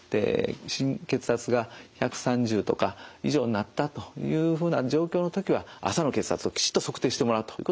血圧が１３０とか以上になったというふうな状況の時は朝の血圧をきちっと測定してもらうということが大事になります。